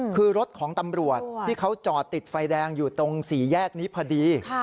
คือรถของตำรวจที่เขาจอดติดไฟแดงอยู่ตรงสี่แยกนี้พอดี